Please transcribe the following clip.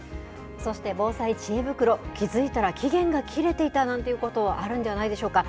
そして防災知恵袋、気付いたら期限が切れていたなんてことがあるんじゃないでしょうか。